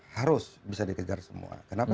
harus bisa dikejar semua